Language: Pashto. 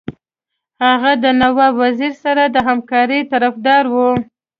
هغه د نواب وزیر سره د همکارۍ طرفدار وو.